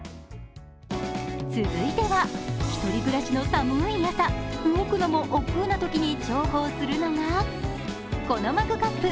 続いては、１人暮らしの寒い朝、動くのもおっくうなときに重宝するのが、このマグカップ。